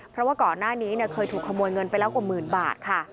เพราะว่าก่อนหน้านี้เคยถูกขโมยเงินไปแล้วกว่าหมื่นบาทค่ะ